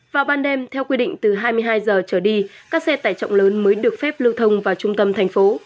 vào ban đêm theo quy định từ hai mươi hai h trở đi các xe tải trọng lớn mới được phép lưu thông vào trung tâm thành phố